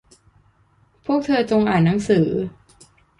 พวกเธอจงอ่านหนังสือ